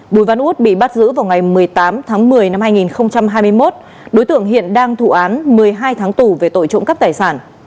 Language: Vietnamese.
bùi văn út bị bắt giữ vào ngày một mươi tám tháng một mươi năm hai nghìn hai mươi một đối tượng hiện đang thụ án một mươi hai tháng tù về tội trộm cắp tài sản